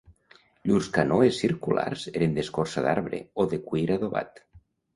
Llurs canoes circulars eren d'escorça d'arbre o de cuir adobat.